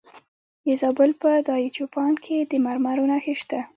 د زابل په دایچوپان کې د مرمرو نښې شته.